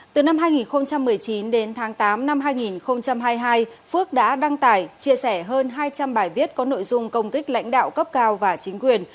từ năm hai nghìn một mươi chín đến tháng tám năm hai nghìn hai mươi hai phước đã đăng tải chia sẻ hơn hai trăm linh bài viết có nội dung công kích lãnh đạo cấp cao và chính quyền